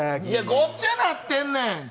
いやごっちゃなってんねん！